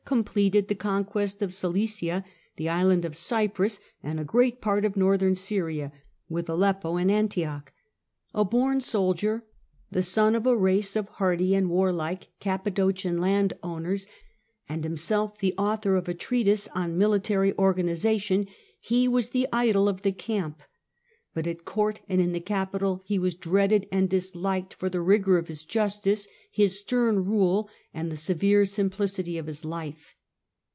completed the conquest of Cilicia, the island of Cyprus, 963 969) and a great part of Northern Syria, with Aleppo and Antioch. A born soldier, the son of a race of hardy and warlike Cappadocian landowners, and himself the author of a treatise on military organization, he was the idol of the camp ; but at court and in the capital he was dreaded and disliked for the rigour of his justice, his stern rule, and the severe simplicity of his life.